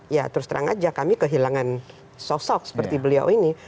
ya terus terang aja kami kehilangan sosok seperti beliau ini